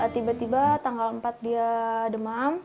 tiba tiba tanggal empat dia demam